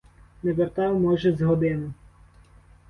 Не вертав, може, з годину.